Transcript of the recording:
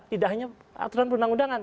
tidak hanya aturan perundang undangan